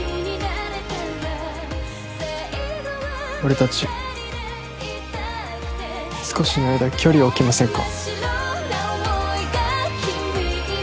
俺達少しの間距離を置きませんか？